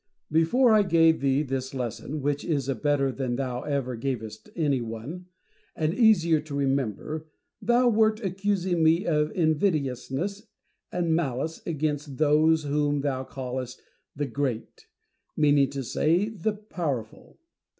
Before I gave thee this lesson, which is a better than thou ever gavest any one, and easier to remember, thou wert accusing me of invidiousness and malice against tlfose 174 IM ACINAR Y CONVERSA TIONS. whom thou callest the great, meaning to say the powerful.